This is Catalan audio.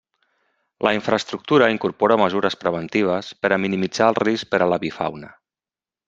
La infraestructura incorpora mesures preventives per a minimitzar el risc per a l'avifauna.